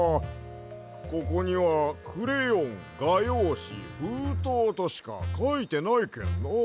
ここには「くれよんがようしふうとう」としかかいてないけんなあ。